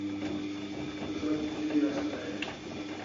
Zo't zu'i asta e?